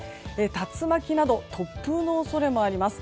竜巻など突風の恐れもあります。